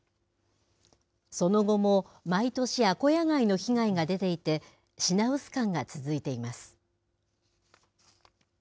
その後も毎年、アコヤガイの被害が出ていて、品薄感が続いています。